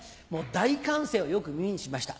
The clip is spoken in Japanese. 大歓声をよく耳にしました。